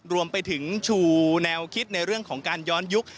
รวมไปถึงชูแนวคิดในเรื่องของการย้อนยุค